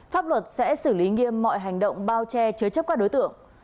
pháp luật sẽ xử lý nghiêm mọi hành động bao che chứa chấp các đối tượng